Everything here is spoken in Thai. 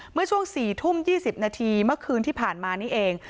เมื่อช่วง๔ทุ่ม๒๐นาทีเมื่อคืนที่ผ่านมานี่เอง